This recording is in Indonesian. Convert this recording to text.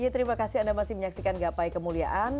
terima kasih anda masih menyaksikan gapai kemuliaan